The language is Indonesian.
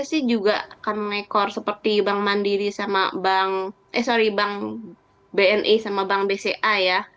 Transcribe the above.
harusnya sih juga akan mengekor seperti bank bni sama bank bca ya